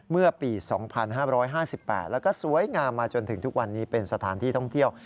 เมื่อปี๒๕๕๘แล้วก็สวยงามมาจนถึงทุกวันนี้เป็นสถานที่ท่องเที่ยว